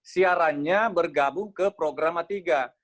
siarannya bergabung ke programa tiga